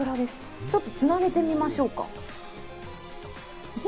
ちょっと、つなげてみましょうか。